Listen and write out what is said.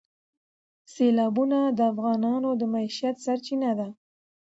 سیلابونه د افغانانو د معیشت سرچینه ده.